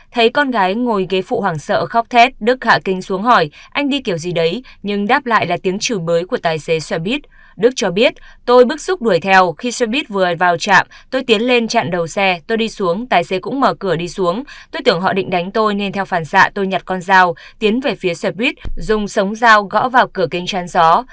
thấy con gái ngồi ghế phụ hoảng sợ khóc thét đức hạ kinh xuống hỏi anh đi kiểu gì đấy nhưng đáp lại là tiếng trừ bới của tài xế xe buýt đức cho biết tôi bước xúc đuổi theo khi xe buýt vừa vào chạm tôi tiến lên chặn đầu xe tôi đi xuống tài xế cũng mở cửa đi xuống tôi tưởng họ định đánh tôi nên theo phản xạ tôi nhặt con dao tiến về phía xe buýt dùng sống dao gõ vào cửa kinh chăn gió